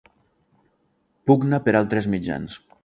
Pugna per altres mitjans.